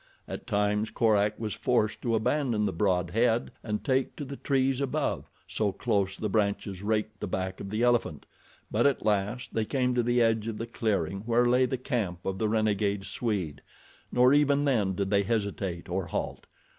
At times Korak was forced to abandon the broad head and take to the trees above, so close the branches raked the back of the elephant; but at last they came to the edge of the clearing where lay the camp of the renegade Swede, nor even then did they hesitate or halt.